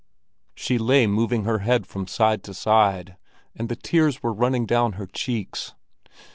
She lay moving her head from side to side, and the tears were running down her cheeks.